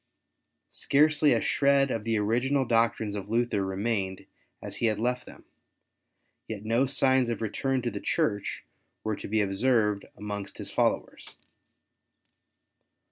Scarcely a shred of the original doctrines of Luther remained as he had left them ; yet no signs of return to the Church were to be observed amongst his followers.